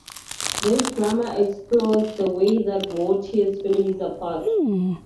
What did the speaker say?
This drama explores the way that war tears families apart.